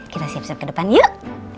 kita siap siap ke depan yuk